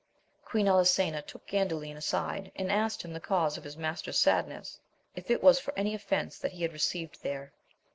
Queen Elisena took Gandalin aside, and asked him the cause of his master's sadness, if it was for any offence that he had received there.